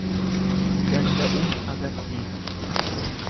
Danda'uu agarsiisa.